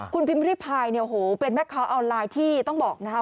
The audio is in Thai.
คุณพิมพิริพายเนี่ยโหเป็นแม่ค้าออนไลน์ที่ต้องบอกนะคะ